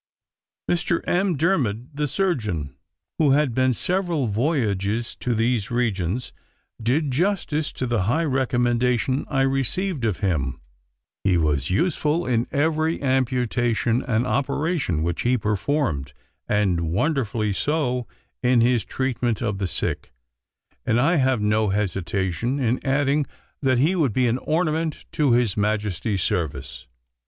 Mr. M'Diarmid the surgeon, who had been several voyages to these regions, did justice to the high recommendation I received of him; he was useful in every amputation and operation which he performed, and wonderfully so in his treatment of the sick; and I have no hesitation in adding, that he would be an ornament to his Majesty's service.